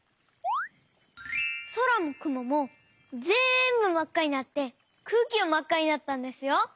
そらもくももぜんぶまっかになってくうきもまっかになったんですよ！